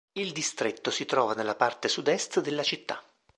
Il distretto si trova nella parte sud-est della città.